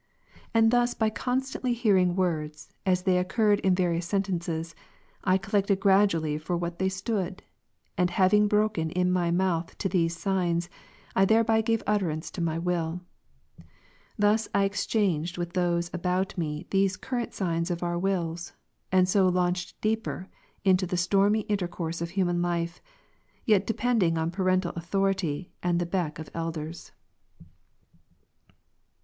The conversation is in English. And thus by constantly hearing words, as they occurred in various sentences, I collected gradually for what they stood; and having broken in my mouth to these signs, I thei'eby gave utterance to my will. Thus I exchanged with those about me these current signs of our wills, and so launched deeper into the stormy intercourse of human life, yet depending on parental authority and the beck of elders. [IX.